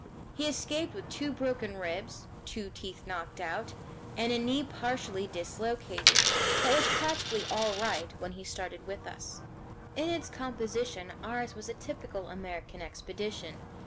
He escaped with two broken ribs, two teeth knocked out, and a knee partially dislocated, but was practically all right again when he started with us. In its composition ours was a typical American expedition.